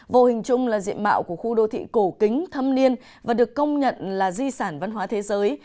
vô hình chung là diện mạo của khu đô thị cổ kính thâm niên và được công nhận là di sản văn hóa thế giới